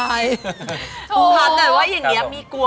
ถามหน่อยว่าอย่างนี้มีกลัว